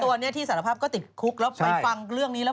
ตัวนี้ที่สารภาพก็ติดคุกแล้วไปฟังเรื่องนี้แล้ว